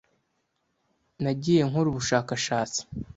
Nagiye nkora ubushakashatsi.